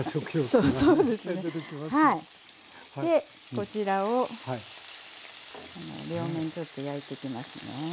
こちらを両面ちょっと焼いていきますね。